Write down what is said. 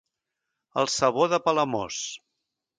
El sabó de Palamós.